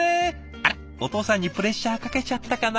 あらっお父さんにプレッシャーかけちゃったかな？